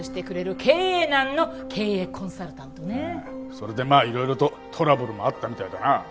それでまあいろいろとトラブルもあったみたいだな。